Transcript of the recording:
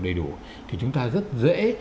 đầy đủ thì chúng ta rất dễ